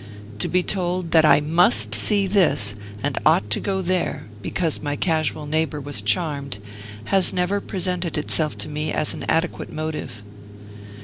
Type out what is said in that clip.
To be told that I MUST see this, and ought to go there, because my casual neighbor was charme, has never presented itself to me as an adequate motive.